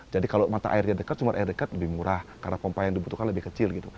jadi kalau mata airnya dekat sumber air dekat lebih murah karena pompa yang dibutuhkan lebih kecil gitu